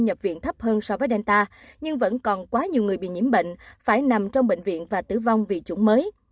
nhập viện thấp hơn so với delta nhưng vẫn còn quá nhiều người bị nhiễm bệnh phải nằm trong bệnh viện và tử vong vì chủng mới